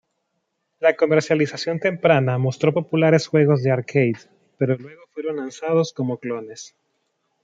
La comercialización temprana mostró populares juegos de arcade, pero luego fueron lanzados como clones.